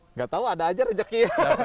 nggak tahu ada aja rezeki